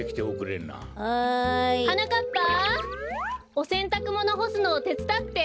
おせんたくものほすのてつだって！